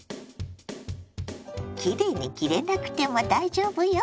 きれいに切れなくても大丈夫よ！